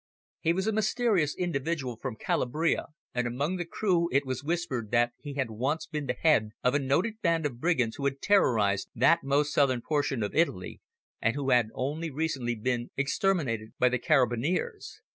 He was a mysterious individual from Calabria, and among the crew it was whispered that he had once been the head of a noted band of brigands who had terrorised that most southern portion of Italy, and who had only recently been exterminated by the Carabineers.